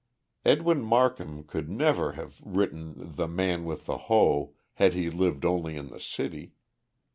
Edwin Markham could never have written The Man with the Hoe had he lived only in the city.